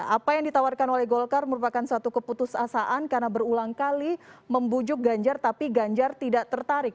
apa yang ditawarkan oleh golkar merupakan suatu keputusasaan karena berulang kali membujuk ganjar tapi ganjar tidak tertarik